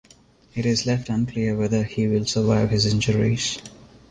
It is left unclear whether he will survive his injuries.